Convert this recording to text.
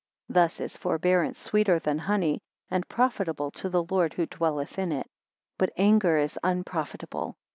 Thus is forbearance sweeter than honey, and profitable to the Lord who dwelleth in it. 7 But anger is unprofitable.